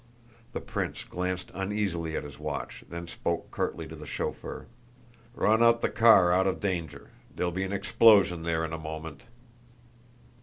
The prince glanced uneasily at his watch, then spoke curtly to the chauffeur. "Run the car up out of danger; there'll be an explosion there in a moment."